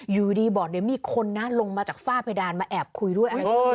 อยู่ดีบอร์ดนี่มีคนลงมาจากฝ้าเพดานมาแอบคุยด้วย